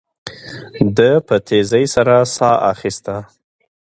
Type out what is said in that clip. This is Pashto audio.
ده په تيزۍ سره ساه اخيسته.